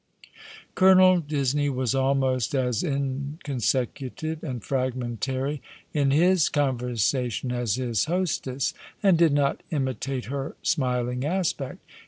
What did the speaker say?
Colonel Disney was almost as inconsecutive and fragmentary in his conversation as his hostess, and did not imitate her smiling aspect.